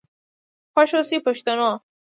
خوښ آوسئ پښتنو.